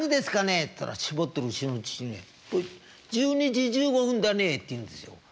「１２時１５分だね」って言うんですよ。